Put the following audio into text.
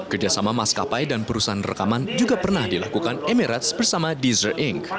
kerjasama maskapai dan perusahaan rekaman juga pernah dilakukan emirates bersama desser inc